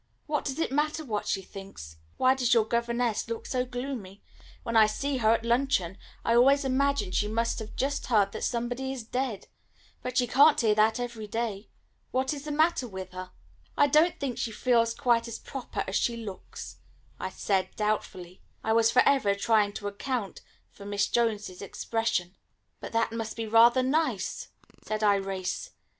What does it matter what she thinks? Why does your governess look so gloomy? When I see her at luncheon I always imagine she must have just heard that somebody is dead. But she can't hear that every day. What is the matter with her?" "I don't think she feels quite as proper as she looks," I said doubtfully; I was for ever trying to account for Miss Jones's expression. "But that must be rather nice," said Irais.